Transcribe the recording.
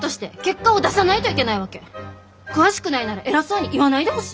詳しくないなら偉そうに言わないでほしい。